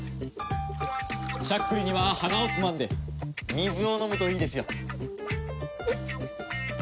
しゃっくりには鼻をつまんで水を飲むといいですよ。